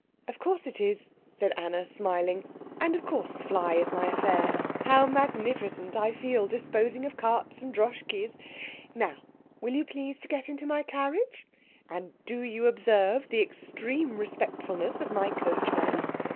"Of course it is," said Anna, smiling, "and of course the fly is my affair. How magnificent I feel, disposing of carts and Droschkies. Now, will you please to get into my carriage? And do you observe the extreme respectfulness of my coachman?"